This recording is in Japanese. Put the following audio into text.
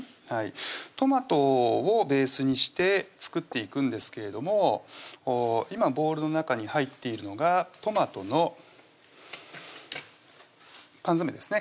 トマトをベースにして作っていくんですけれども今ボウルの中に入っているのがトマトの缶詰ですね